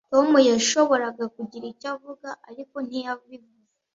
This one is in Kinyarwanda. Tom yashoboraga kugira icyo avuga, ariko ntiyabivuze.